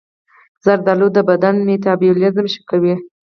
زردآلو د بدن میتابولیزم ښه کوي.